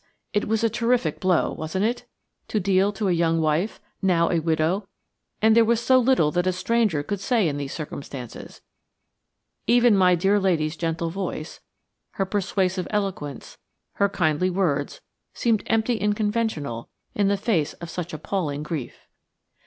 It was a terrific blow–wasn't it?–to deal to a young wife–now a widow; and there was so little that a stranger could say in these circumstances. Even my dear lady's gentle voice, her persuasive eloquence, her kindly words, sounded empty and conventional in the face of such appalling grief.